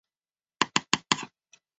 协议直到月底并无进展。